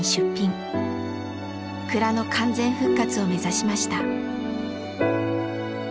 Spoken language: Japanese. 蔵の完全復活を目指しました。